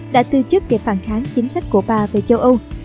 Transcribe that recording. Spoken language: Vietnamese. đã từ chức để phản kháng chính sách của bà về châu âu